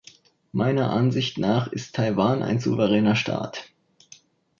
Meiner Ansicht nach ist Taiwan ein souveräner Staat.